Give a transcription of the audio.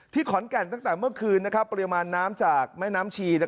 ขอนแก่นตั้งแต่เมื่อคืนปริมาณน้ำจากแม่น้ำชี